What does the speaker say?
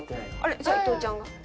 じゃあ伊藤ちゃんが？